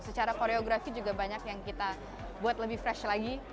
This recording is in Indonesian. secara koreografi juga banyak yang kita buat lebih fresh lagi